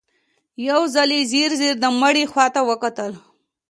يو ځل يې ځير ځير د مړي خواته وکتل.